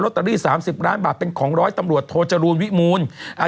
ร็อเตอรี๓๐ร้านพอแพบเป็นของร้อยตำรวจโทษระหันษณ์วิมูล